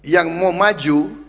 yang mau maju